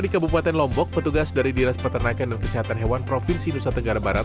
di kabupaten lombok petugas dari dinas peternakan dan kesehatan hewan provinsi nusa tenggara barat